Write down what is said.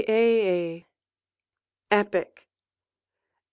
Epic.